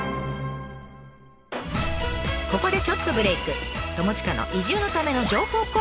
ここでちょっとブレーク。